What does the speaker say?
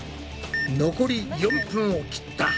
残り４分を切った。